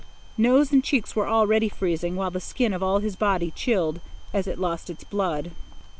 Nose and cheeks were already freezing, while the skin of all his body chilled as it lost its blood.